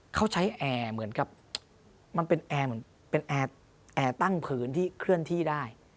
เขาใช้แอร์เหมือนกับมันเป็นแอร์ตั้งพื้นที่เคลื่อนที่ได้